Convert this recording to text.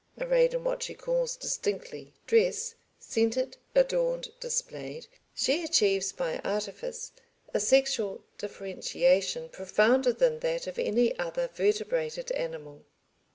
Arrayed in what she calls distinctly "dress," scented, adorned, displayed, she achieves by artifice a sexual differentiation profounder than that of any other vertebrated animal.